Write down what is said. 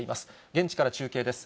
現地から中継です。